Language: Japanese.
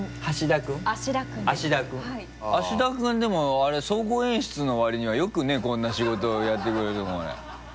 芦田君はでも総合演出のわりにはよくねこんな仕事をやってくれるよね。